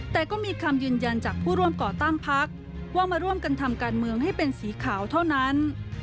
แต่ก็มีคำยืนยันจากผู้ร่วมก่อตั้งพักว่ามาร่วมกันทำการเมืองให้เป็นสีขาวเท่านั้น